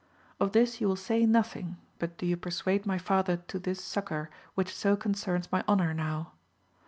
Of this you will say nothing, but do you persuade my father to this succour which so concerns my honour now.